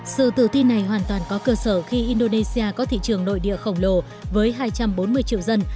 sự tự ti này hoàn toàn có cơ sở khi indonesia có thị trường nội địa khổng lồ với hai trăm bốn mươi triệu dân